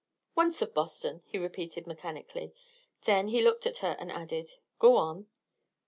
"Once of Boston," he repeated mechanically. Then he looked at her and added: "Go on."